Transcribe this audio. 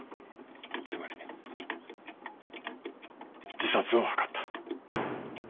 つまり自殺を図った。